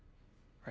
はい。